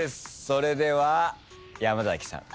それでは山崎さん